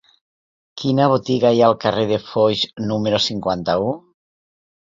Quina botiga hi ha al carrer de Foix número cinquanta-u?